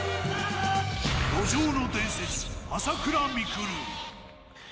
路上の伝説、朝倉未来。